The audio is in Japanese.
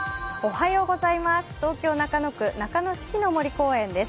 東京・中野区中野四季の森公園です。